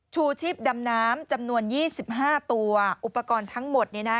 ชูชิบดำน้ำจำนวน๒๕ตัวอุปกรณ์ทั้งหมดนี่นะ